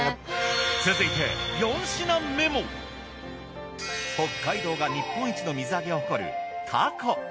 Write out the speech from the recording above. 続いて４品目も北海道が日本一の水揚げを誇るたこ。